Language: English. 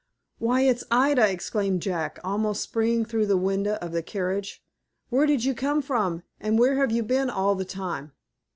"Why, it's Ida!" exclaimed Jack, almost springing through the window of the carriage. "Where did you come from, and where have you been all the time?"